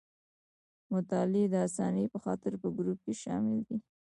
د مطالعې د اسانۍ په خاطر په ګروپ کې شامل دي.